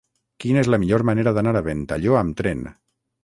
Quina és la millor manera d'anar a Ventalló amb tren?